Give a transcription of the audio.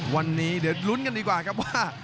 วันนี้เดี๋ยวลุ้นกันดีกว่าครับว่า